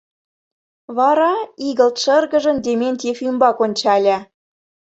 — Вара, игылт шыргыжын, Дементьев ӱмбак ончале.